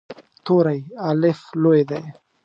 توری “الف” لوی دی.